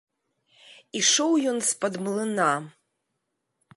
Ішоў ён з-пад млына.